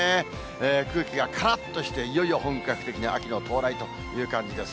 空気がからっとして、いよいよ本格的な秋の到来という感じです。